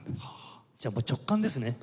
じゃあもう直感ですね？